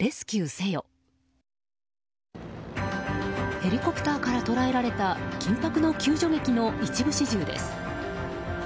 ヘリコプターから捉えられた緊迫の救助劇の一部始終です。